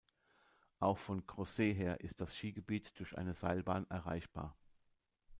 Auch von Crozet her ist das Skigebiet durch eine Seilbahn erreichbar.